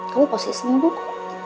kamu pasti sembuh